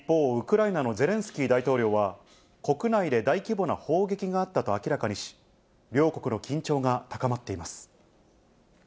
キー大統領は、国内で大規模な砲撃があったと明らかにし、両国の緊張が高まっています。